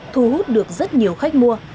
thu hút được rất nhiều khách mua